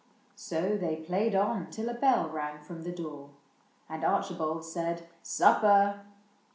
So they played on till a bell rang from the door, And Archibald said, " Supper."